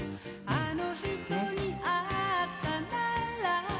「あの人にったなら」